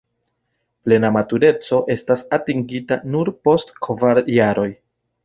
Plena matureco estas atingita nur post kvar jaroj.